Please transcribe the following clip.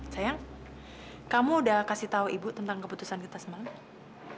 sayang kamu udah kasih tahu ibu tentang keputusan kita semangat